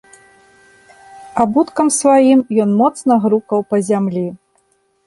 Абуткам сваім ён моцна грукаў па зямлі.